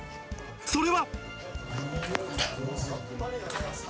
それは。